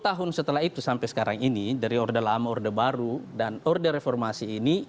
dua puluh tahun setelah itu sampai sekarang ini dari orde lama orde baru dan orde reformasi ini